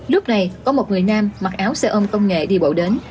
lúc này có một người nam mặc áo xe ôm công nghệ đi bộ đến